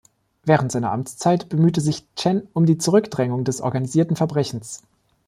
Während seiner Amtszeit bemühte sich Chen um die Zurückdrängung des organisierten Verbrechens.